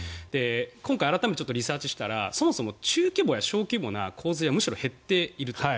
今回、改めてリサーチしたら中規模や小規模の洪水はむしろ減っていると。